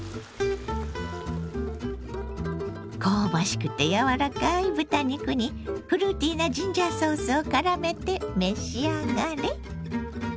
香ばしくて柔らかい豚肉にフルーティーなジンジャーソースをからめて召し上がれ。